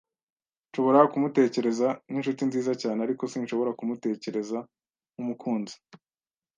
Nshobora kumutekereza nkinshuti nziza cyane, ariko sinshobora kumutekereza nkumukunzi.